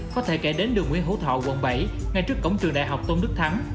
có thể kể đến đường nguyễn hữu thọ quận bảy ngay trước cổng trường đại học tôn đức thắng